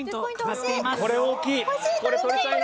これ大きい！